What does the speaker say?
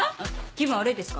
気分悪いですか？